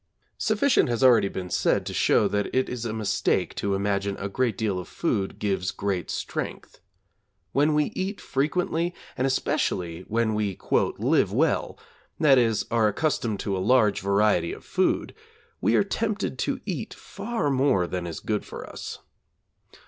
Sufficient has already been said to show that it is a mistake to imagine a great deal of food gives great strength. When we eat frequently, and especially when we 'live well,' that is, are accustomed to a large variety of food, we are tempted to eat far more than is good for us.